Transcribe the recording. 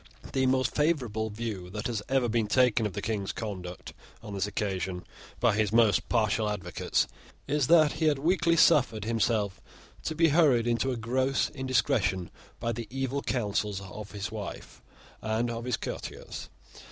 The most favourable view that has ever been taken of the King's conduct on this occasion by his most partial advocates is that he had weakly suffered himself to be hurried into a gross indiscretion by the evil counsels of his wife and of his courtiers.